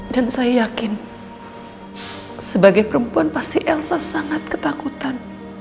dan saya yakin sebagai perempuan pasti elsa sangat ketakutan